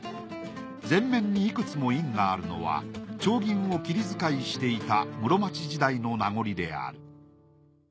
前面にいくつも印があるのは丁銀を切り遣いしていた室町時代の名残である。